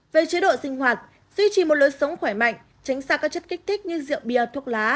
về chế độ sinh hoạt duy trì một lối sống khỏe mạnh tránh xa các chất kích thích như rượu bia thuốc lá